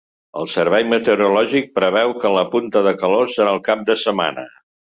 El servei meteorològic preveu que la punta de calor serà el cap de setmana.